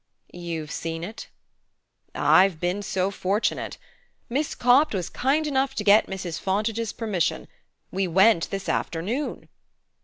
"You've seen it?" "I've been so fortunate. Miss Copt was kind enough to get Mrs. Fontage's permission; we went this afternoon."